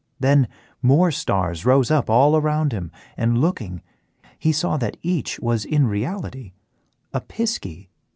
Then more stars rose up all around him, and, looking, he saw that each was in reality a pisky.